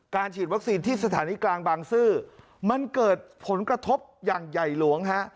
ฉีดวัคซีนที่สถานีกลางบางซื่อมันเกิดผลกระทบอย่างใหญ่หลวงฮะ